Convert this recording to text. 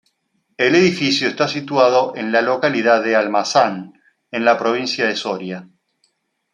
El edificio está situado en la localidad de Almazán, en la provincia de Soria.